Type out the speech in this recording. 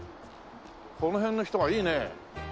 この辺の人はいいね。